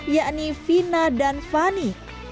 yakni fina dan fani